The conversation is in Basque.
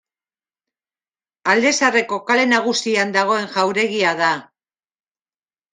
Alde Zaharreko Kale Nagusian dagoen jauregia da.